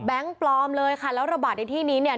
ปลอมเลยค่ะแล้วระบาดในที่นี้เนี่ย